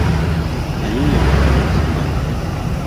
Naye yawakanyizibwa.